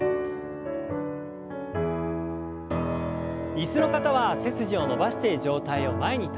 椅子の方は背筋を伸ばして上体を前に倒します。